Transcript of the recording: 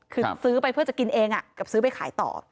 คือซื้อไปเพื่อจะกินเองกับซื้อไปขายต่อ